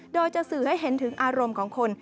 โดยจะสื่อให้เห็นถึงอารมณ์ของคน